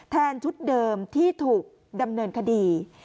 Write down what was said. ชุดเดิมที่ถูกดำเนินคดี